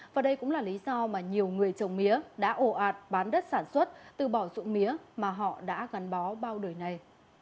và đây cũng là lý do mà nhiều người trồng mía đã ổ ạt bán đất sản xuất từ bỏ dụng mía mà họ đã gắn bó bao đời này